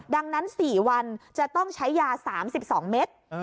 ดังนั้น๔วันจะต้องใช้ยา๓๒เมตร